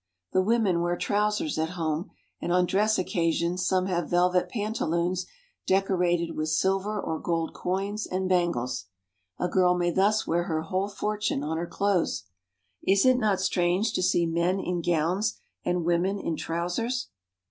The women wear trousers at home, and on dress occasions some have velvet pantaloons decorated with silver or gold coins and bangles. A girl may thus wear her whole fortune on her clothes. Is it not strange to see men in gowns and women in trousers